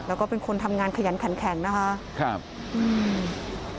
แล้วก็เป็นคนทำงานขยันขันแข็งนะคะครับอืม